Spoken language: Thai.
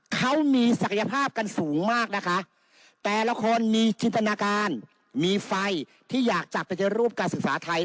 เขามีศักยภาพกันสูงมากนะคะแต่ละคนมีจินตนาการมีไฟที่อยากจะปฏิรูปการศึกษาไทย